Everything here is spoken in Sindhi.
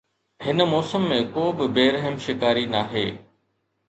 هن موسم ۾ ڪو به بي رحم شڪاري ناهي